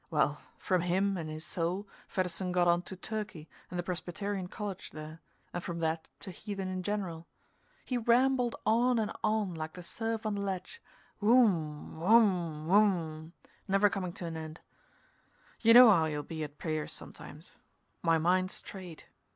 Well, from him and his soul, Fedderson got on to Turkey and the Presbyterian college there, and from that to heathen in general. He rambled on and on, like the surf on the ledge, woom woom woom, never coming to an end. You know how you'll be at prayers sometimes. My mind strayed.